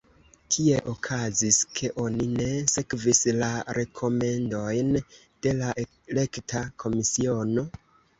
Kiel okazis, ke oni ne sekvis la rekomendojn de la elekta komisiono?